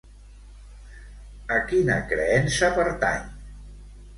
A quina creença pertany?